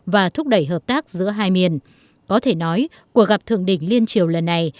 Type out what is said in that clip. và thúc đẩy hợp tác giữa hai miền có thể nói cuộc gặp thượng đỉnh liên triều lần này